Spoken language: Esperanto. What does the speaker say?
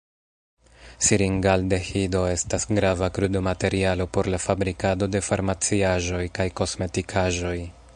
Siringaldehido estas grava krudmaterialo por la fabrikado de farmaciaĵoj kaj kosmetikaĵoj.